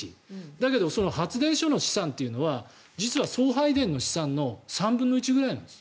だけど、発電所の資産というのは実は送配電の資産の３分の１くらいなんです。